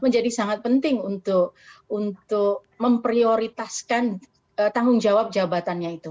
jadi sangat penting untuk memprioritaskan tanggung jawab jabatannya itu